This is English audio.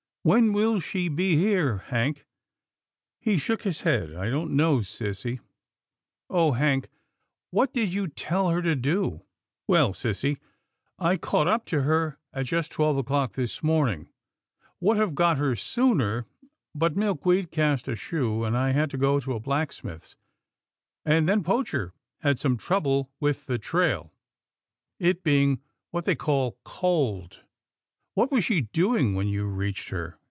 When will she be here. Hank? " He shook his head. " I don't know, sissy." " Oh! Hank, what did you tell her to do? "" Well, sissy, I caught up to her at just twelve o'clock this morning — would have got her sooner, 202 'TILDA JANE'S ORPHANS but Milkweed cast a shoe, and I had to go to a blacksmith's, and then Poacher had some trouble with the trail, it being what they call ' cold/ " "What was she doing when you reached her?"